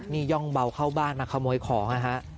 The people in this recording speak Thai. มิยองเบาเข้าบ้านมาขโมยของ